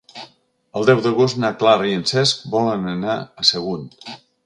El deu d'agost na Clara i en Cesc volen anar a Sagunt.